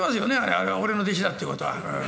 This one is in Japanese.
あれは俺の弟子だってことは。